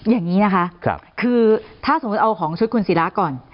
อย่างนี้นะคะคือถ้าสมมุติเอาของชุดคุณศิราก่อน